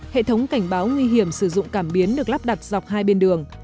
hệ thống cảnh báo nguy hiểm sử dụng cảm biến được lắp đặt dọc hai bên đường